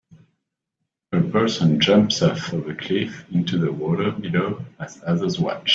A person jumps off of a cliff into the water below as others watch.